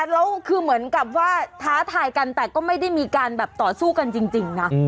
แล้วคือเหมือนกับว่าท้าทายกันแต่ก็ไม่ได้มีการแบบต่อสู้กันจริงนะ